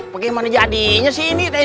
bagaimana jadinya sih ini tni